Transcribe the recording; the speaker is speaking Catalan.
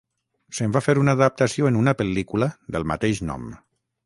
Se'n va fer una adaptació en una pel·lícula del mateix nom.